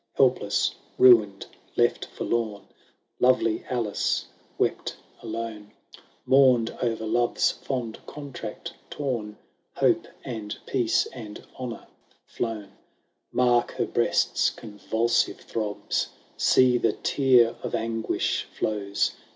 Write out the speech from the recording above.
Helpless, ruined, left forlorn, Lovely Alice wept alone ; FBEDEEICK AND ALICE. 721 Mourned o'er love's fond contract torn, Hope, and peace, and honour flown. Mark her breast's convulsive throbs ! See, the tear of anguish flows